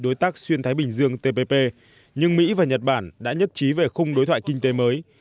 đối tác xuyên thái bình dương tpp nhưng mỹ và nhật bản đã nhất trí về khung đối thoại kinh tế mới